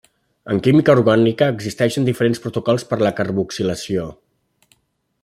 En química orgànica existeixen diferents protocols per la carboxilació.